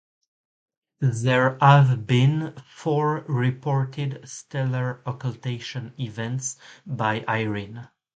There have been four reported stellar occultation events by Irene.